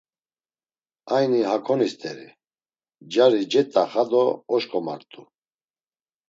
Ayni hakoni st̆eri; cari cet̆axa do oşǩomart̆u.